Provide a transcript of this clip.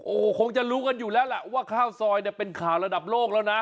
โอ้โหคงจะรู้กันอยู่แล้วล่ะว่าข้าวซอยเนี่ยเป็นข่าวระดับโลกแล้วนะ